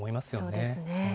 そうですね。